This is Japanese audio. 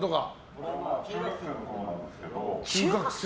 これは中学生のころなんですけど。